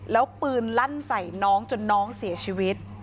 แล้วปืนลั่นใส่น้องจนน้องเสียชีวิต